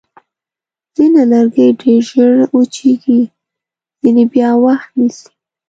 ځینې لرګي ډېر ژر وچېږي، ځینې بیا وخت نیسي.